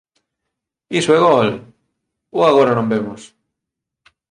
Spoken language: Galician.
Iso é gol. Ou agora non vemos!